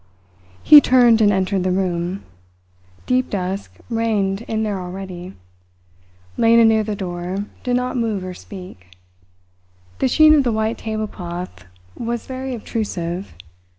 He turned and entered the room. Deep dusk reigned in there already. Lena, near the door, did not move or speak. The sheen of the white tablecloth was very obtrusive.